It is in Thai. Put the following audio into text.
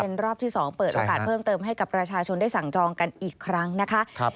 รอบที่๒เปิดโอกาสเพิ่มเติมให้กับประชาชนได้สั่งจองกันอีกครั้งนะคะ